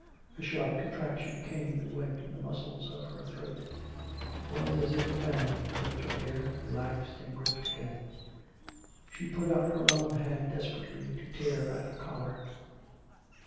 A sharp contraction came and went in the muscles of her throat. It was as if a hand gripped her there, re laxed, and gripped again. She put up her own hand desperately to tear at her collar.